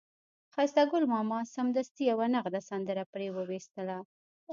ښایسته ګل ماما سمدستي یوه نغده سندره پرې وویستله.